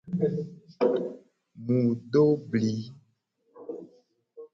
Mu do bli.